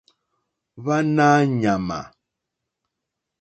Hwánáá ɲàmà.